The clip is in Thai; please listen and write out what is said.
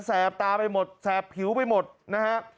แปบตาไปหมดแสบผิวไปหมดนะฮะ